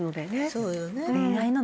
そうよね。